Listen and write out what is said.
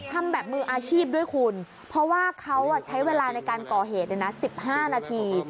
ทำแบบมืออาชีพด้วยคุณเพราะว่าเขาใช้เวลาในการก่อเหตุ๑๕นาที